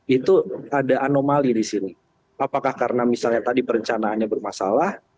itu ada anomali di sini apakah karena misalnya tadi perencanaannya bermasalah